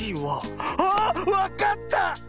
あっわかった！